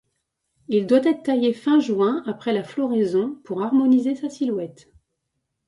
Il doit être taillé fin juin après la floraison, pour harmoniser sa silhouette.